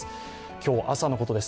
今日、朝のことです。